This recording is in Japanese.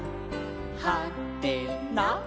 「はてな？